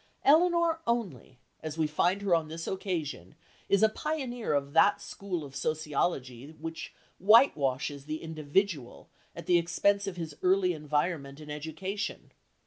Elinor only, as we find her on this occasion, is a pioneer of that school of sociology which whitewashes the individual at the expense of his early environment and education.